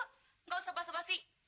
tidak usah basah basih